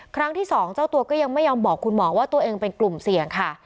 ครั้งที่สองเจ้าตัวก็ยังไม่ยอมบอกคุณหมอว่าตัวเองเป็นกลุ่มเสี่ยงค่ะ